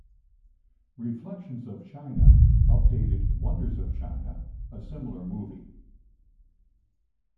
"Reflections of China" updated "Wonders of China", a similar movie.